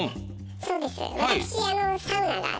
そうです私。